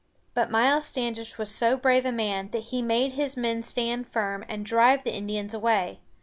But Miles Standish was so brave a man that he made his men stand firm and drive the Indians away.